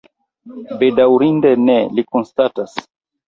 Bedaŭrinde ne, li konstatas.